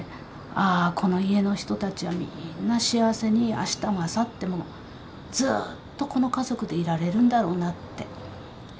あこの家の人たちはみんな幸せにあしたもあさってもずっとこの家族でいられるんだろうなって。